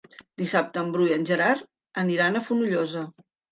Dissabte en Bru i en Gerard aniran a Fonollosa.